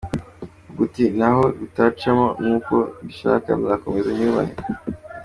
Vuga uti: "naho bitacamo nk'uko mbishaka, nzakomeza nyubahe".